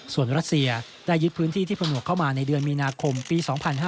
ส่วนรัสเซียได้ยึดพื้นที่ที่ผนวกเข้ามาในเดือนมีนาคมปี๒๕๕๙